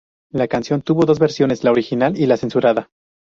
La canción tuvo dos versiones, la "original" y la "censurada".